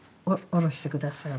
下ろして下さい。